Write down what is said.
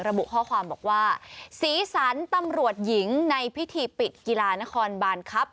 ระบุข้อความบอกว่าสีสันตำรวจหญิงในพิธีปิดกีฬานครบานครับ